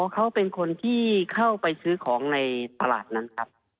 เขาเป็นคนที่เข้าไปซื้อของในตลาดนั้นครับ